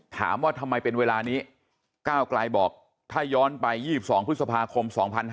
ถามว่าทำไมเป็นเวลานี้ก้าวไกลบอกถ้าย้อนไป๒๒พฤษภาคม๒๕๕๙